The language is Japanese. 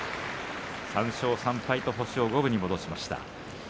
３勝３敗と星を五分に戻しました。